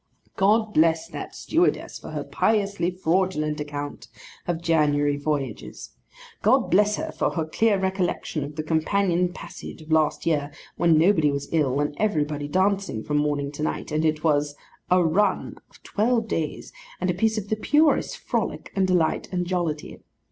God bless that stewardess for her piously fraudulent account of January voyages! God bless her for her clear recollection of the companion passage of last year, when nobody was ill, and everybody dancing from morning to night, and it was 'a run' of twelve days, and a piece of the purest frolic, and delight, and jollity!